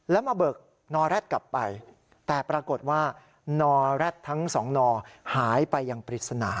แล้วมาเบิกนอแร็ดกลับไปแต่ปรากฏว่านอแร็ดทั้งสองนอหายไปอย่างปริศนา